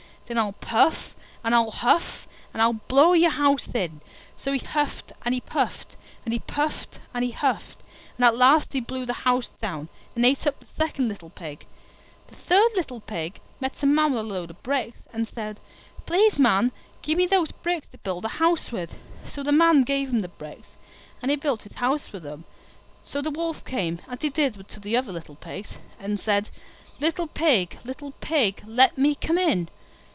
"Then I'll puff and I'll huff, and I'll blow your house in!" So he huffed and he puffed, and he puffed and he huffed, and at last he blew the house down, and ate up the second little Pig. The third little Pig met a Man with a load of bricks, and said, "Please, Man, give me those bricks to build a house with"; so the Man gave him the bricks, and he built his house with them. So the Wolf came, as he did to the other little Pigs, and said, "Little Pig, little Pig, let me come in."